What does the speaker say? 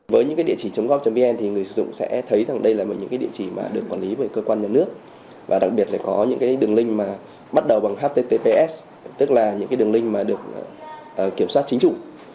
với những địa chỉ gov vn thì người dùng sẽ thấy rằng đây là một địa chỉ được quản lý bởi cơ quan nhà nước và đặc biệt là có những đường link bắt đầu bằng https tức là những đường link được kiểm soát chính trụ